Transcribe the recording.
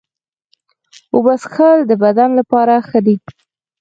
اوبه څښل د بدن لپاره ښه دي.